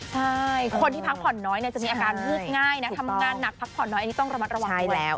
ใช่คนที่พักผ่อนน้อยจะมีอาการหลุดง่ายทำงานหนักพักผ่อนน้อยต้องระมัดระวังด้วย